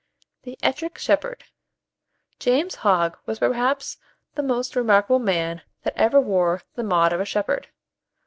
THE ETTRICK SHEPHERD. James Hogg was perhaps the most remarkable man that ever wore the maud of a shepherd.